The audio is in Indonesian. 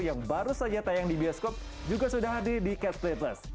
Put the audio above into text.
yang baru saja tayang di bioskop juga sudah hadir di catch play plus